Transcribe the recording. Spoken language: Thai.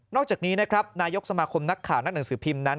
อกจากนี้นะครับนายกสมาคมนักข่าวนักหนังสือพิมพ์นั้น